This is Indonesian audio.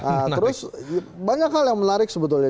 nah terus banyak hal yang menarik sebetulnya